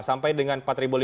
sampai dengan empat lima ratus